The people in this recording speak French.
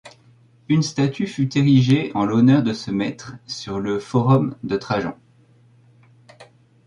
Une statue fut érigée en l’honneur de ce maître sur le forum de Trajan.